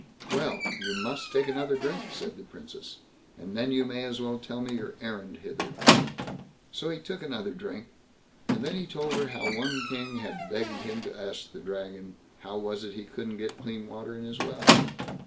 "Well! you must take another drink", said the Princess, "and then you may as well tell me your errand hither." So he took another drink, and then he told her how one king had begged him to ask the Dragon, how it was he couldn't get clean water in his well?